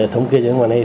thống kê trên ngoài này